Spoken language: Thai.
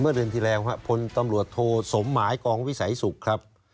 เมื่อเดือนที่แล้วครับคนตำรวจโทรสมหมายกองวิสัยศุกร์ครับ